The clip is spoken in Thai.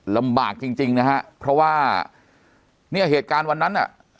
ลำบากจริงจริงนะฮะเพราะว่าเนี่ยเหตุการณ์วันนั้นน่ะ